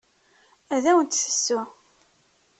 Ad awent-d-tesseww.